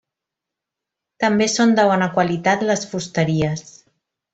També són de bona qualitat les fusteries.